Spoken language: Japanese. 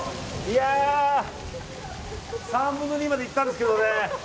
いやー、３分の２まで行ったんですけどね。